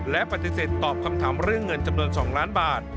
และปฏิเสธตอบคำถามเรื่องเงินจำนวน๒ล้านบาท